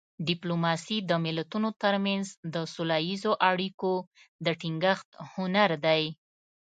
ډیپلوماسي د ملتونو ترمنځ د سوله اییزو اړیکو د ټینګښت هنر دی